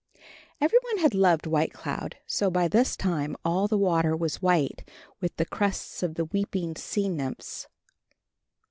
Every one had loved White Cloud, so by this time all the water was white with the crests of the weeping sea nymphs.